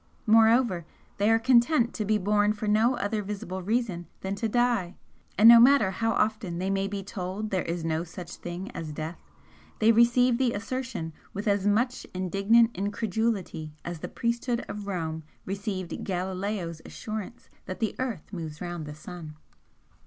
Moreover, they are content to be born for no other visible reason than to die and no matter how often they may be told there is no such thing as death, they receive the assertion with as much indignant incredulity as the priesthood of Rome received Galileo's assurance that the earth moves round the sun.